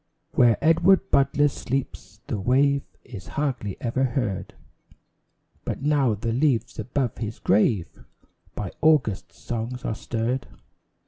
Where Edward Butler sleeps, the wave Is hardly ever heard; But now the leaves above his grave By August's songs are stirred.